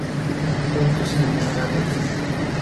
Pronto se enamorará de ella.